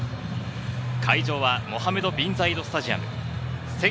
会場はモハメド・ビン・ザイードスタジアム。